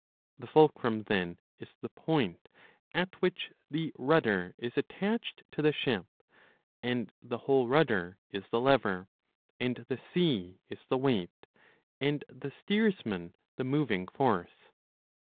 The fulcrum then is the point at which the rudder is attached to the ship, and the whole rudder is the lever, and the sea is the weight, and the steersman the moving force.